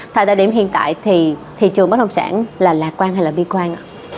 tại thời điểm hiện tại thì thị trường bất động sản là lạc quan hay là bi quan